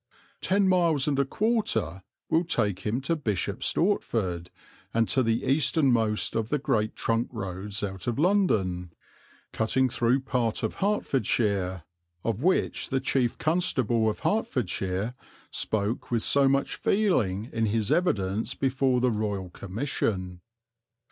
Ten miles and a quarter will take him to Bishop's Stortford and to the easternmost of the great trunk roads out of London, cutting through part of Herts, of which the Chief Constable of Hertfordshire spoke with so much feeling in his evidence before the Royal Commission.